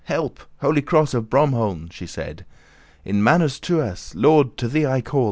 *woke "Help, holy cross of Bromeholm," <26> she said; "In manus tuas! <27> Lord, to thee I call.